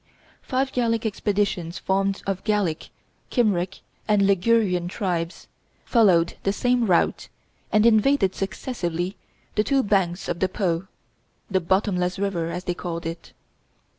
five Gallic expeditions, formed of Gallic, Kymric, and Ligurian tribes, followed the same route and invaded successively the two banks of the Po the bottomless river, as they called it.